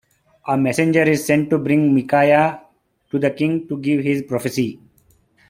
A messenger is sent to bring Micaiah to the king to give his prophecy.